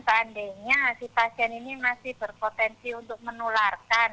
seandainya si pasien ini masih berpotensi untuk menularkan